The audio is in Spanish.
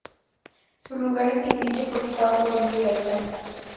Su lugar en Timbiriche fue ocupado por Bibi Gaytán.